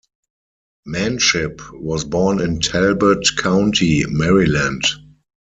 Manship was born in Talbot County, Maryland.